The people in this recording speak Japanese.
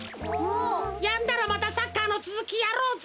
やんだらまたサッカーのつづきやろうぜ。